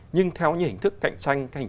nhưng theo hình thức cạnh tranh